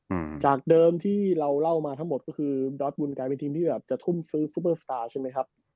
อืมจากเดิมที่เราเล่ามาทั้งหมดก็คือดอสบุญกลายเป็นทีมที่แบบจะทุ่มซื้อซูเปอร์สตาร์ใช่ไหมครับ